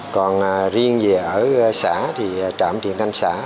còn riêng về ở xã trạm tiền thanh xã